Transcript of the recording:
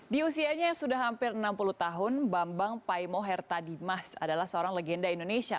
di usianya yang sudah hampir enam puluh tahun bambang paimo herta dimas adalah seorang legenda indonesia